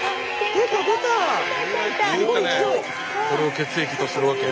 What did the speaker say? これを血液とするわけ？